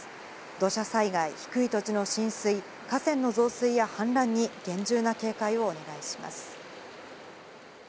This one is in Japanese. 土砂災害、低い土地の浸水、河川の増水や氾濫に厳重な警戒をお願いします。